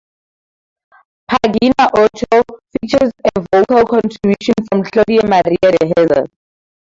"Pagina Ocho" features a vocal contribution from Claudia Maria Deheza.